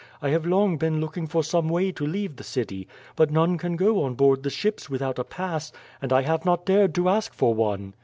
"I have long been looking for some way to leave the city. But none can go on board the ships without a pass, and I have not dared to ask for one.